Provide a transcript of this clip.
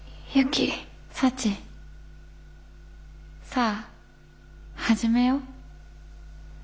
さあ始めよう。